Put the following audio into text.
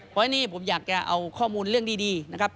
เพราะอันนี้ผมอยากจะเอาข้อมูลเรื่องดีนะครับ